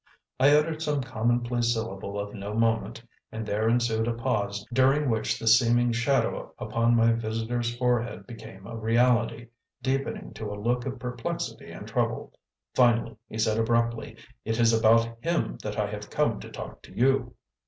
I uttered some commonplace syllable of no moment, and there ensued a pause during which the seeming shadow upon my visitor's forehead became a reality, deepening to a look of perplexity and trouble. Finally he said abruptly: "It is about him that I have come to talk to you."